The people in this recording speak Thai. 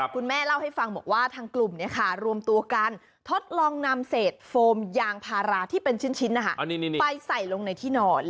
คุณแม่เล่าให้ฟังบอกว่าทางกลุ่มรวมตัวกันทดลองนำเศษโฟมยางพาราที่เป็นชิ้นไปใส่ลงในที่นอน